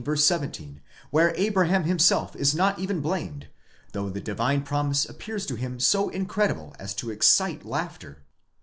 17, where Abraham himself is not even blamed, though the divine promise appears to him so incredible as to excite laughter.